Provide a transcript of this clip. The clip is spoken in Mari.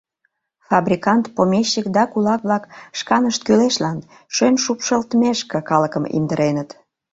Фабрикант, помещик да кулак-влак шканышт кӱлешлан, шӧн шупшылтмешке, калыкым индыреныт.